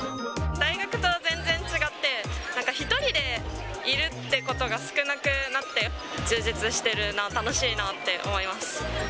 大学と全然違って、なんか１人でいるってことが少なくなって、充実してるな、楽しいなって思います。